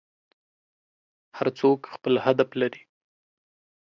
هر څوک خپل هدف لري.